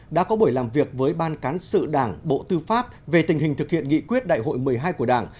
đã có buổi làm việc với ban cán sự đảng bộ tư pháp về tình hình thực hiện nghị quyết đại hội một mươi hai của đảng